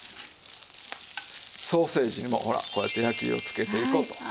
ソーセージにもほらこうやって焼き色をつけていこうと。